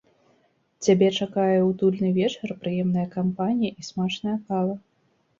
Цябе чакае утульны вечар, прыемная кампанія і смачная кава.